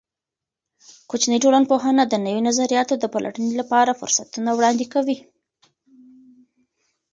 کوچنۍ ټولنپوهنه د نوي نظریاتو د پلټنې لپاره فرصتونه وړاندې کوي.